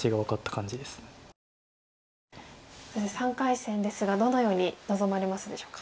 そして３回戦ですがどのように臨まれますでしょうか。